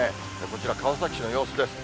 こちら、川崎市の様子です。